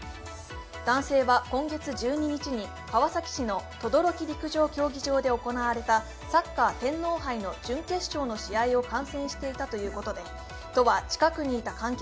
男性は今月１２日に川崎市の等々力陸上競技場で行われたサッカー天皇杯の準決勝の試合を観戦していたということで、都は近くにいた観客